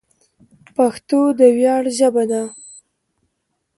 پښتو د ویاړ ژبه ده.